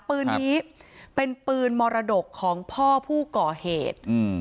ปืนนี้เป็นปืนมรดกของพ่อผู้ก่อเหตุ